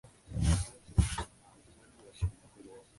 袋萼黄耆为豆科黄芪属的植物。